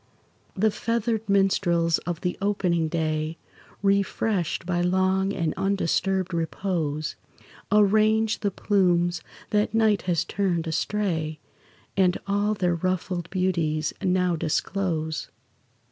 The feathered minstrels of the opening day, Refreshed by long and undisturbed repose, Arrange the plumes that night has turned astray, And all their ruffled beauties now disclose.